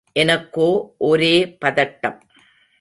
எனக்கோ ஒரே பதட்டம்.